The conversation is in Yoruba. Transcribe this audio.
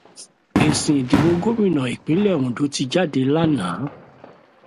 Èsì ìdìbò gómìnà ìpínlẹ̀ Ondo ti jáde lánàá.